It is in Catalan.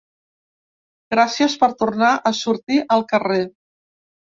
Gràcies per tornar a sortir al carrer.